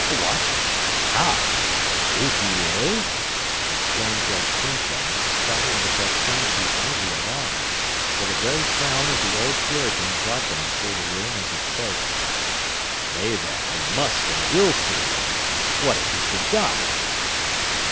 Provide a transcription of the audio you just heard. "What! How! Is he ill?" exclaimed Judge Pyncheon, starting with what seemed to be angry alarm; for the very frown of the old Puritan darkened through the room as he spoke. "Nay, then, I must and will see him! What if he should die?"